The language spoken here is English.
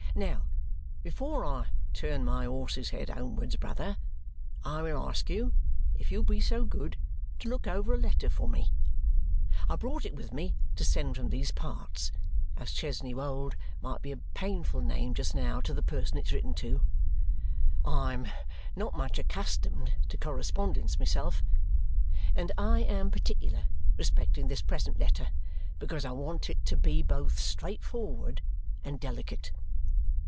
"Now, before I turn my horse's head homewards, brother, I will ask you if you'll be so good to look over a letter for me. I brought it with me to send from these parts, as Chesney Wold might be a painful name just now to the person it's written to. I am not much accustomed to correspondence myself, and I am particular respecting this present letter because I want it to be both straightforward and delicate."